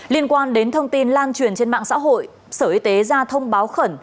liên quan đến thông tin lan truyền trên mạng xã hội sở y tế ra thông báo khẩn